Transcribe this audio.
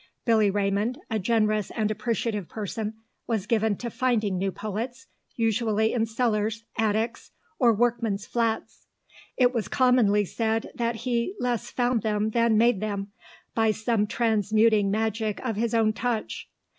Billy Raymond, a generous and appreciative person, was given to finding new poets, usually in cellars, attics, or workmen's flats. It was commonly said that he less found them than made them, by some transmuting magic of his own touch.